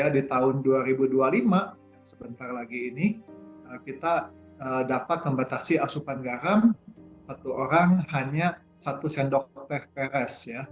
di tahun dua ribu dua puluh lima kita dapat membatasi asupan garam satu orang hanya satu sendok teh per es